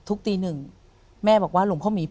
ตีหนึ่งแม่บอกว่าหลวงพ่อหมี